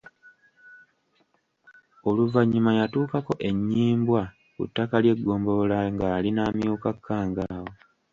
Oluvannyuma yatuukako e Nnyimbwa ku ttaka ly’eggombolola ng’ali n’amyuka Kangaawo.